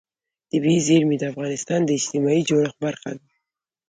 طبیعي زیرمې د افغانستان د اجتماعي جوړښت برخه ده.